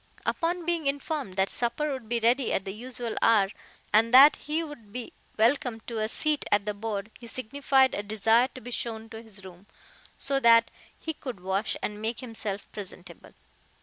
Upon being informed that supper would be ready at the usual hour, and that he would be welcome to a seat at the board, he signified a desire to be shown to his room, so that he could wash and make himself presentable.